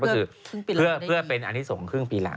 เพื่อเป็นอันที่สงครึ่งปีหลัง